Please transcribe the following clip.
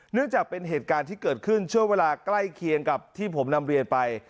เนื่องจากเป็นเหตุการณ์ที่เกิดขึ้นช่วงเวลาใกล้เคียงกับที่ผมนำเรียนไป